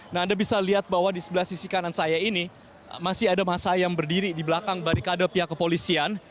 nah anda bisa lihat bahwa di sebelah sisi kanan saya ini masih ada masa yang berdiri di belakang barikade pihak kepolisian